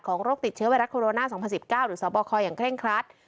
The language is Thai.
โรคติดเชื้อไวรัสโคโรนา๒๐๑๙หรือสบคอย่างเคร่งครัด